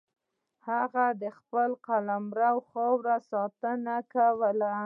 هغه د خپل قلمرو او خاورې ساتنه کوله.